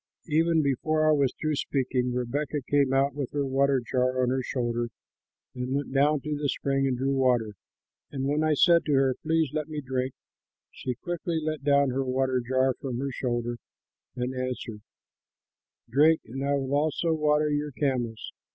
"Even before I was through speaking, Rebekah came out with her water jar on her shoulder and went down to the spring and drew water. And when I said to her, 'Please let me drink,' she quickly let down her water jar from her shoulder and answered, 'Drink, and I will also water your camels.'